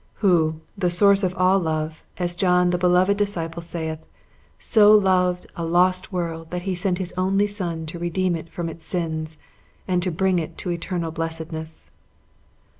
Who, the source of all love, as John the beloved disciple saith, 'so loved a lost world, that he sent his only Son to redeem it from its sins, and to bring it to eternal blessedness!'"